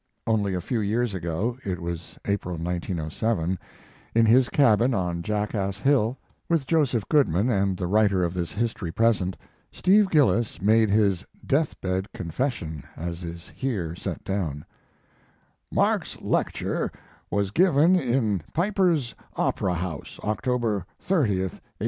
Only a few years ago (it was April, 1907), in his cabin on jackass Hill, with Joseph Goodman and the writer of this history present, Steve Gillis made his "death bed" confession as is here set down: "Mark's lecture was given in Piper's Opera House, October 30, 1866.